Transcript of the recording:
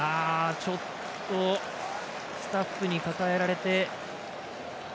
ちょっとスタッフに抱えられて。